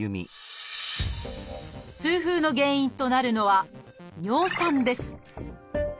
痛風の原因となるのは「尿酸」です